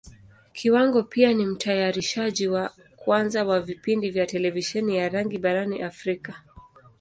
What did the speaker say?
Kiwango pia ni Mtayarishaji wa kwanza wa vipindi vya Televisheni ya rangi barani Africa.